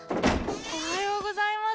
おはようございます。